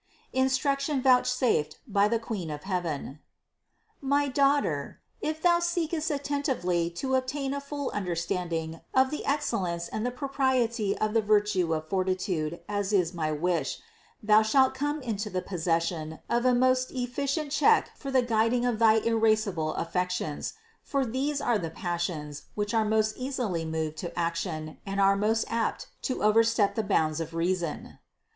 INSTRUCTION VOUCHSAFED BY THE QUEEN OF HEAVEN. 581. My daughter, if thou seekest attentively to ob tain a full understanding of the excellence and the pro priety of the virtue of fortitude, as is my wish, thou shalt come into the possession of a most efficient check for the guiding of thy irascible affections; for these are the passions, which are most easily moved to action and are most apt to overstep the bounds of reason.